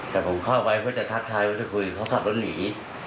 แต่ผมเข้าไปเพื่อจะทักทายว่าจะคุยเขาขับรถหนี